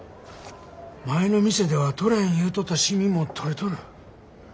前の店では取れん言うとった染みも取れとる。